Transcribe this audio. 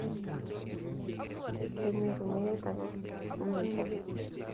kenyoru meet ago umianso biik